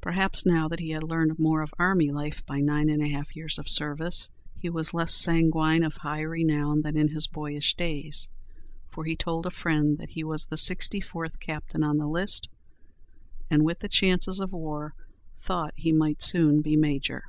Perhaps now that he had learned more of army life by nine and a half years of service, he was less sanguine of high renown than in his boyish days; for he told a friend that "he was the sixty fourth captain on the list, and with the chances of war, thought he might soon be major."